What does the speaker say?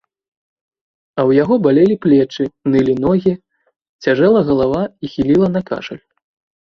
А ў яго балелі плечы, нылі ногі, цяжэла галава і хіліла на кашаль.